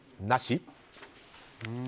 なし？